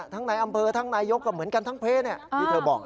ทั้งในอำเภอทั้งนายกก็เหมือนกันทั้งเพศที่เธอบอก